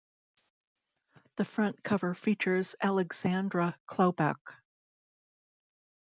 The front cover features Alexandra Klobouk.